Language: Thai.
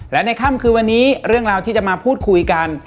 และในค่ำคืนวันนี้เรื่องราวที่จะมาพูดคุยกัน